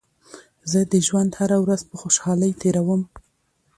زه د ژوند هره ورځ په خوشحالۍ تېروم.